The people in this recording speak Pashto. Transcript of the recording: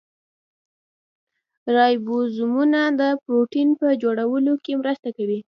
رایبوزومونه د پروټین په جوړولو کې مرسته کوي